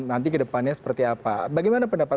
nanti kedepannya seperti apa bagaimana pendapat